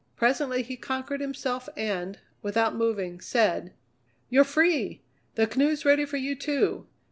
Presently he conquered himself, and, without moving, said: "You're free! The canoe's ready for you, too.